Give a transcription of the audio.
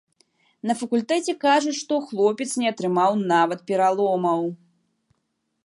На факультэце кажуць, што хлопец не атрымаў нават пераломаў.